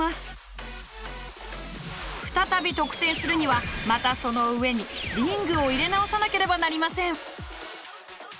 再び得点するにはまたその上にリングを入れ直さなければなりません。